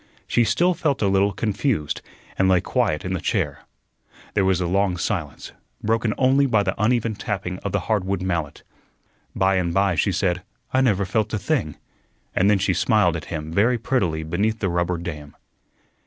She still felt a little confused, and lay quiet in the chair. There was a long silence, broken only by the uneven tapping of the hardwood mallet. By and by she said, "I never felt a thing," and then she smiled at him very prettily beneath the rubber dam.